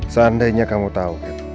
seandainya kamu tahu